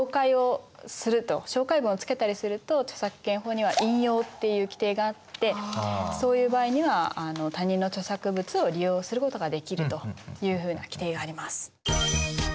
紹介文をつけたりすると著作権法には引用っていう規定があってそういう場合には他人の著作物を利用することができるというふうな規定があります。